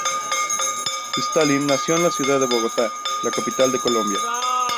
Stalin nació en la ciudad de Bogotá, la capital de Colombia.